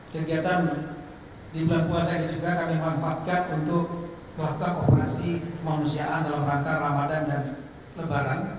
kegiatan di bulan puasa ini juga kami manfaatkan untuk melakukan operasi kemanusiaan dalam rangka ramadan dan lebaran